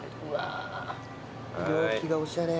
容器がおしゃれ。